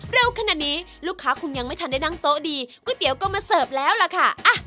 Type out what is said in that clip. เร็วขนาดนี้ลูกค้าคงยังไม่ทันได้นั่งโต๊ะดีก๋วยเตี๋ยวก็มาเสิร์ฟแล้วล่ะค่ะ